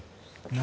何？